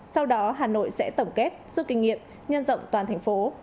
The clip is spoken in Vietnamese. sau đó hà nội sẽ tổng kết suốt kinh nghiệm nhân rộng toàn thành phố